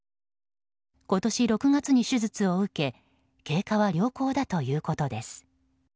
今年６月に手術を受け経過は良好だということです。